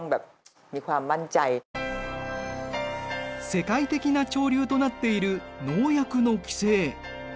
世界的な潮流となっている農薬の規制。